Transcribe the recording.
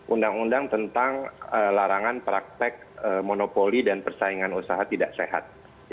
undang undang tentang larangan praktek monopoli dan persaingan usaha tidak sehat